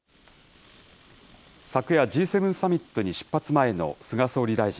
昨夜、Ｇ７サミットに出発前の菅総理大臣。